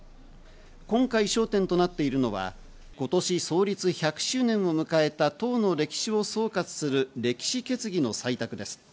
今回、焦点となっているのは今年創立１００周年を迎えた党の歴史を総括する歴史決議の採択です。